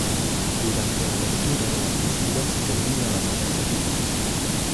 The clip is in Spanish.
Durante la lectura de las misivas termina la novela.